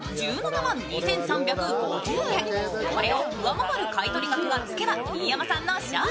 これを上回る買い取り額がつけば新山さんの勝利。